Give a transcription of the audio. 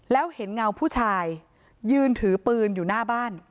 แล้วเห็นเงาผู้ชายยืนถือปืนอยู่หน้าบ้าน